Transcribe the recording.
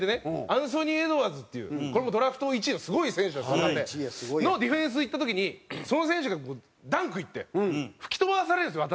アンソニー・エドワーズっていうこれもドラフト１位のすごい選手なんですよ若手。のディフェンスいった時にその選手がダンクいって吹き飛ばされるんですよ